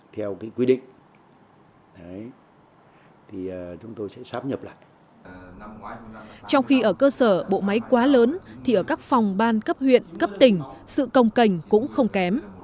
trong khi ở cơ sở bộ máy quá lớn thì ở các phòng ban cấp huyện cấp tỉnh sự công cành cũng không kém